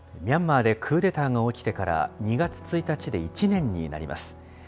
ミャンマーでクーデターが起きてから、２月１日で１年になります。